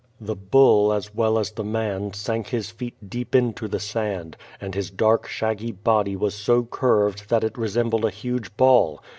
The bull as well as the man sank his feet deep into the sand, and his dark, shaggy body was so curved that it resembled a huge ball.